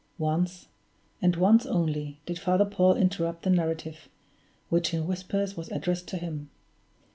Once, and once only, did Father Paul interrupt the narrative, which in whispers was addressed to him.